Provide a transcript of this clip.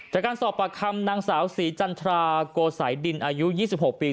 จากการสอบปากคำนางสาวศรีจันทราโกสายดินอายุ๒๖ปี